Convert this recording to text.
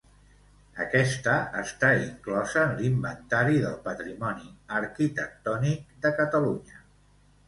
Aquesta està inclosa en l'Inventari del Patrimoni Arquitectònic de Catalunya.